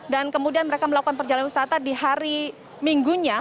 dan kemudian mereka melakukan perjalanan wisata di hari minggunya